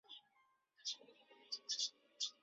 后由翁楷接任。